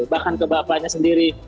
bahkan ke bapaknya sendiri